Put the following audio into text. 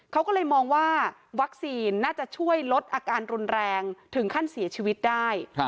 เขาก็เลยมองว่าวัคซีนน่าจะช่วยลดอาการรุนแรงถึงขั้นเสียชีวิตได้